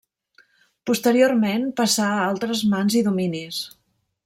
Posteriorment passà a altres mans i dominis.